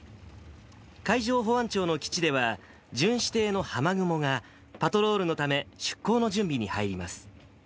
海上保安庁の基地では、巡視艇のはまぐもがパトロールのため出航の準備に入ります。